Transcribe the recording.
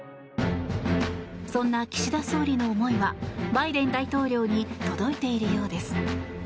そんな岸田総理の思いはバイデン大統領に届いているようです。